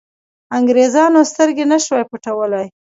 انګرېزانو سترګې نه شوای پټولای.